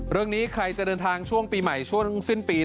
เรื่องนี้ใครจะเดินทางช่วงปีใหม่ช่วงสิ้นปี